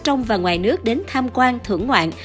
trong và ngoài nước đến tham quan thưởng ngoạn